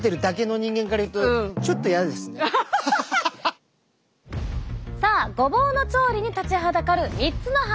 ちょっとさあごぼうの調理に立ちはだかる３つのハードル。